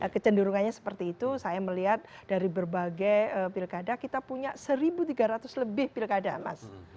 kecenderungannya seperti itu saya melihat dari berbagai pilkada kita punya satu tiga ratus lebih pilkada mas